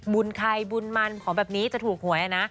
บุญใครบุญมันของแบบนี้จะถูกหวยนะ